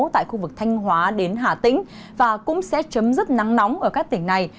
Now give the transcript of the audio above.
tại khu vực thanh hóa đến hà tĩnh và cũng sẽ chấm dứt nắng nóng ở các tỉnh này